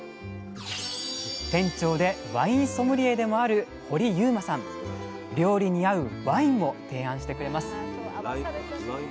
店長でワインソムリエでもある料理に合うワインも提案してくれます。